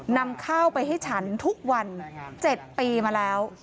นำข้าวไปให้ฉันทุกวัน๗ปีมาแล้ว